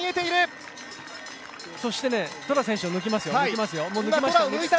そしてトラ選手をもう抜きました！